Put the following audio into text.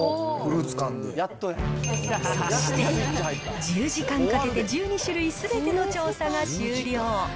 そして、１０時間かけて１２種類すべての調査が終了。